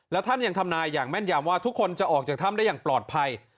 และท่านยังทำนายอย่างแม่นยำว่าทุกคนจะออกจากถ้ำได้อย่างปลอดภัย